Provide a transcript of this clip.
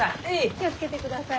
気を付けてくださいね。